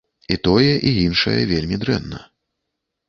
І тое, і іншае вельмі дрэнна.